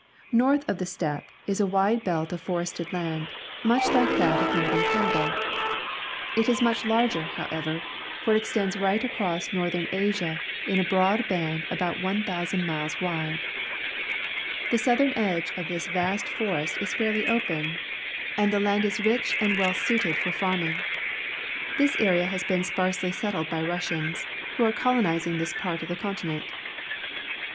North of the steppe is a wide belt of forested land, much like that of Northern Canada. It is much larger, however, for it extends right across North ern Asia in a broad band about 1,000 miles wide. The southern edge of this vast forest is fairly open, and the land is rich and well suited for farming. This area has been sparsely settled by Russians, who are colonizing this part of the continent.